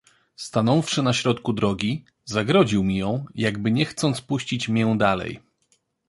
"Stanąwszy na środku drogi, zagrodził mi ją, jakby nie chcąc puścić mię dalej."